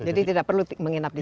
jadi tidak perlu menginap di sini